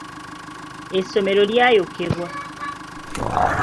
Essomero lya yokebwa.